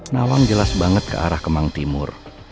nawam jelas banget ke arah kemang timur